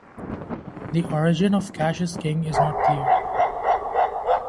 The origin of "cash is king" is not clear.